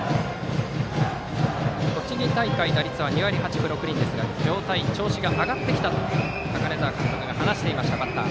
栃木大会打率は２割８分６厘ですが状態、調子が上がってきたと高根澤監督が話していたバッター。